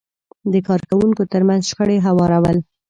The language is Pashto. د کار کوونکو ترمنځ شخړې هوارول،